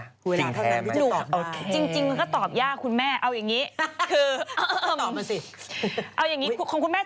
จริงมันก็ตอบยากคุณแม่